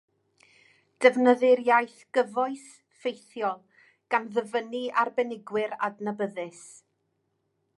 Defnyddir iaith gyfoes, ffeithiol, gan ddyfynnu arbenigwyr adnabyddus